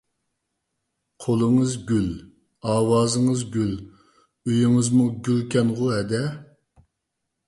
قولىڭىز گۈل، ئاۋازىڭىز گۈل، ئۆيىڭىزمۇ گۈلكەنغۇ ھەدە.